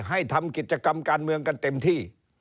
ให้ทำกิจกรรมการเมืองกันเต็มที่